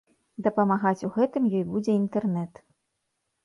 Дапамагаць у гэтым ёй будзе інтэрнэт.